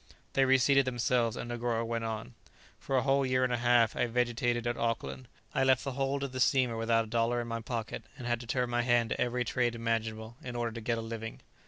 They reseated themselves, and Negoro went on, "For a whole year and a half I vegetated at Auckland. I left the hold of the steamer without a dollar in my pocket, and had to turn my hand to every trade imaginable in order to get a living."